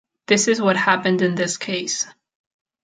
This is what happened in this case.